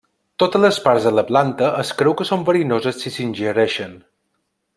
Totes les parts de la planta es creu que són verinoses si s'ingereixen.